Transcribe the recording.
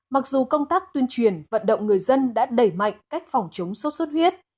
mặc dù công tác tuyên truyền vận động người dân đã đẩy mạnh cách phòng chống sốt xuất huyết